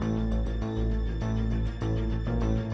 โน้ท